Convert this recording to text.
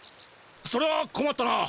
それはこまったな。